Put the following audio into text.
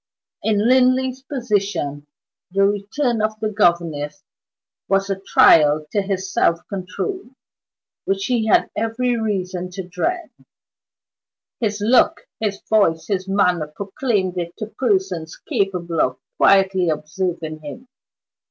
In Linley's position, the return of the governess was a trial to his self control which he had every reason to dread: his look, his voice, his manner proclaimed it to persons capable of quietly observing him.